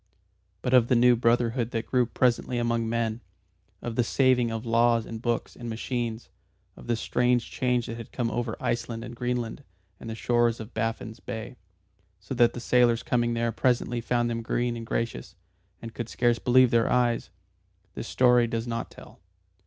But of the new brotherhood that grew presently among men, of the saving of laws and books and machines, of the strange change that had come over Iceland and Greenland and the shores of Baffin's Bay, so that the sailors coming there presently found them green and gracious, and could scarce believe their eyes, this story does not tell.